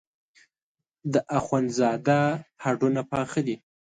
د اخوندزاده هډونه پاخه دي.